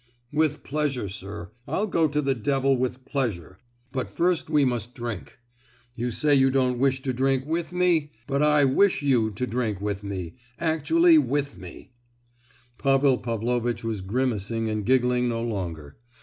"With pleasure, sir. I'll go to the devil with pleasure; but first we must drink. You say you don't wish to drink with me; but I wish you to drink with me—actually with me." Pavel Pavlovitch was grimacing and giggling no longer.